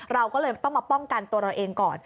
เราก็เลยต้องมาป้องกันตัวเราเองก่อน